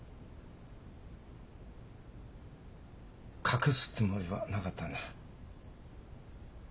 隠すつもりはなかったんだ。